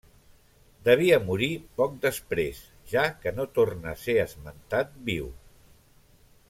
Devia morir poc després, ja que no torna a ser esmentat viu.